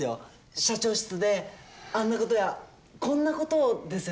社長室であんなことやこんなことをですよね？